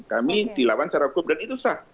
kami dilawan secara hukum dan itu sah